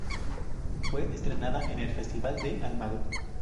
Fue estrenada en el Festival de Almagro.